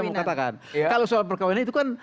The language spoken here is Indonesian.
ingin katakan kalau soal perkawinan itu kan